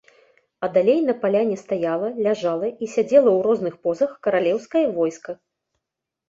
А далей на паляне стаяла, ляжала і сядзела ў розных позах каралеўскае войска.